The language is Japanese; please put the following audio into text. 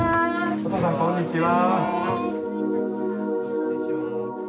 おとうさんこんにちは。